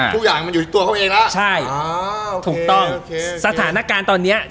ทุกอย่างมันอยู่ที่ตัวเขาเองแล้วใช่อ๋อถูกต้องสถานการณ์ตอนเนี้ย